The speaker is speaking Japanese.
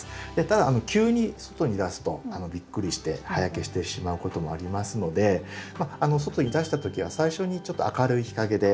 ただ急に外に出すとびっくりして葉焼けしてしまうこともありますので外に出した時は最初にちょっと明るい日陰で。